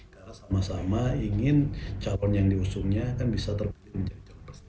karena sama sama ingin calon yang diusungnya kan bisa terbentuk menjadi calon persatuan